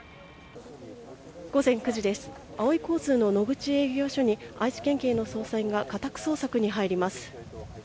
午前９時です、あおい交通の野口警察署に、愛知県警の捜査員が家宅捜索に入ります。